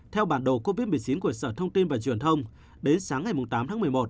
theo bản đồ covid một mươi chín của sở thông tin và truyền thông đến sáng ngày tám tháng một mươi một